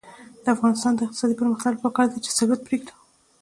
د افغانستان د اقتصادي پرمختګ لپاره پکار ده چې سګرټ پریږدو.